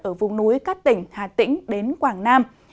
ở vùng núi các tỉnh hà tĩnh đến quảng nam